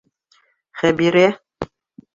Хәбирә!